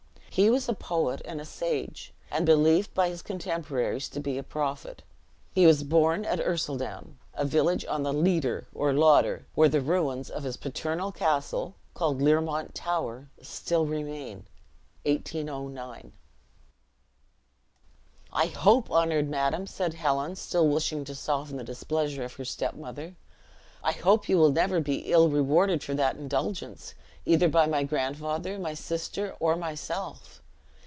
He was a poet and a sage, and believed by his contemporaries to be a prophet. He was born at Ercildown, a village on the Leeder (or Lauder), where the ruins of his paternal castle, called Learmont Tower, still remain. (1809.) "I hope, honored madam," said Helen, still wishing to soften the displeasure of her step mother, "I hope you will never be ill rewarded for that indulgence, either by my grandfather, my sister, or myself.